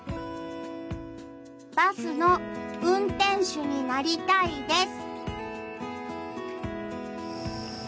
バスの運転手になりたいです。